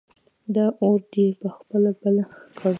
دا اور دې په خپله بل کړ!